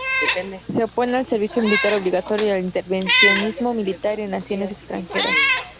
Se opone al servicio militar obligatorio y al intervencionismo militar en naciones extranjeras.